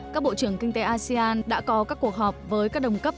các bộ trưởng kinh tế asean đã có các cuộc họp với các đồng cấp